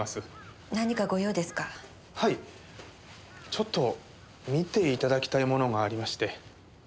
ちょっと見て頂きたいものがありまして。